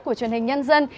của truyền hình nhân dân